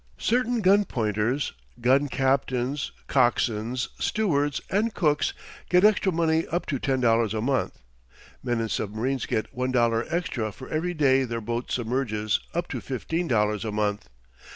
Certain gun pointers, gun captains, coxswains, stewards, and cooks get extra money up to $10 a month. Men in submarines get $1 extra for every day their boat submerges up to $15 a month.